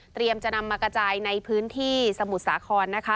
เตรียมจะนำมากระจายในพื้นที่สมุทรสาคร